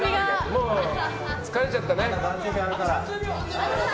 もう疲れちゃったかな？